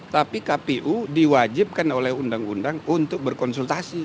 tapi kpu diwajibkan oleh undang undang untuk berkonsultasi